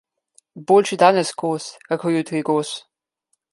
Boljši danes kos kakor jutri gos.